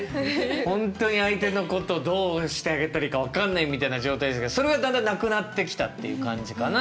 本当に相手のことをどうしてあげたらいいか分かんないみたいな状態でしたけどそれはだんだんなくなってきたっていう感じかな？